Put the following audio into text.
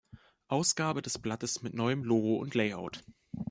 Ausgabe des Blattes mit neuem Logo und Layout.